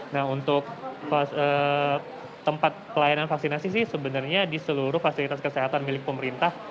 nah untuk tempat pelayanan vaksinasi sih sebenarnya di seluruh fasilitas kesehatan milik pemerintah